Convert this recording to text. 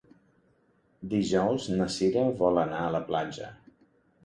Dijous na Cira vol anar a la platja.